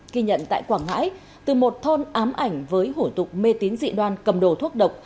ghi nhận tại quảng ngãi từ một thôn ám ảnh với hủ tục mê tín dị đoan cầm đồ thuốc độc